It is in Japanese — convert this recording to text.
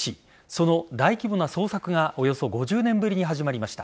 その大規模な捜索がおよそ５０年ぶりに始まりました。